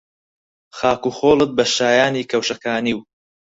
خاک و خۆڵت بە شایانی کەوشەکانی و